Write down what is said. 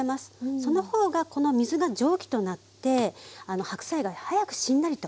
その方がこの水が蒸気となって白菜が早くしんなりとします。